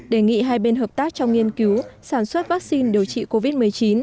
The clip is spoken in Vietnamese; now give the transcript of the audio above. đề nghị hai bên hợp tác trong nghiên cứu sản xuất vaccine điều trị covid một mươi chín